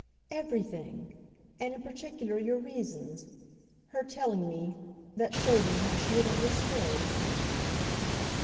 "Everything and in particular your reasons. Her telling me that showed me how she had understood."